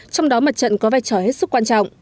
trong đó mặt trận có vai trò hết sức quan trọng